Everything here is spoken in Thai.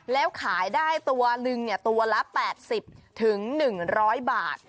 แล้วขายได้ตัวลึงเนี่ยตัวละแปดสิบถึงหนึ่งร้อยบาท